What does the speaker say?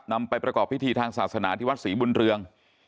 นำไปประกอบพิธีทางศาสนาที่วัดศรีบุญเรือง